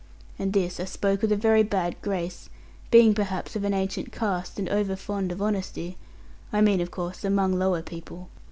And this I spoke with a very bad grace, being perhaps of an ancient cast, and over fond of honesty I mean, of course, among lower people.